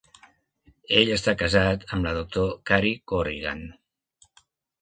Ell està casat amb la Doctor Cari Corrigan.